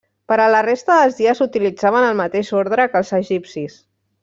Per a la resta dels dies utilitzaven el mateix ordre que els egipcis.